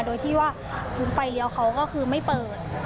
โดยที่ว่าไฟเลี้ยวเขาก็คือไม่เปิด